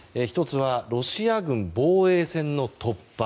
ロシア軍防衛線の突破